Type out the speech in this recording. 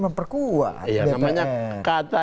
memperkuat dpr ya namanya kata